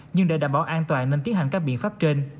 nhưng để đảm bảo an toàn nên tiến hành các biện pháp trên